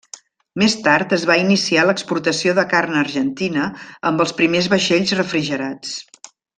Més tard es va iniciar l'exportació de carn argentina amb els primers vaixells refrigerats.